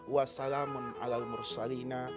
wassalamun ala mursalina